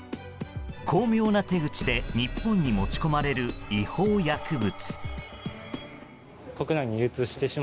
巧妙な手口で日本に持ち込まれる違法薬物。